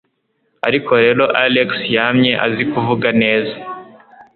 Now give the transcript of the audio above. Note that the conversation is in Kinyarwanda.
Ariko rero, Alex yamye azi kuvuga neza.